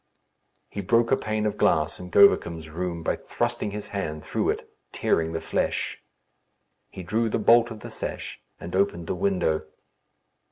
He broke a pane of glass in Govicum's room by thrusting his hand through it, tearing the flesh; he drew the bolt of the sash and opened the window.